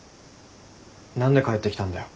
何で帰ってきたんだよ。